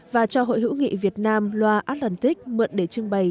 và cho hội hiễu nghị việt nam l oré atlantique mượn để trưng bày